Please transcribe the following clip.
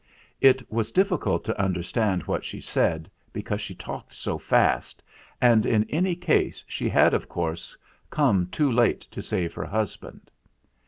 It was difficult to understand what she said, because she talked so fast ; and in any case she had, of course, come too late to save her hus band.